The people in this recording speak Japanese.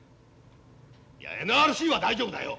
いやＮＲＣは大丈夫だよ。